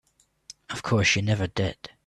Of course you never did.